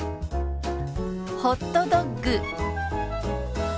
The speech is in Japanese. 「ホットドッグ」。